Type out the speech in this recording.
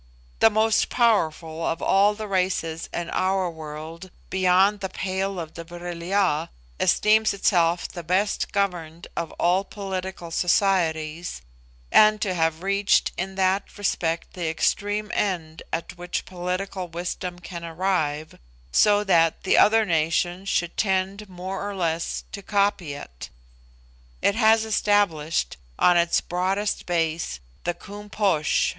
The most powerful of all the races in our world, beyond the pale of the Vril ya, esteems itself the best governed of all political societies, and to have reached in that respect the extreme end at which political wisdom can arrive, so that the other nations should tend more or less to copy it. It has established, on its broadest base, the Koom Posh viz.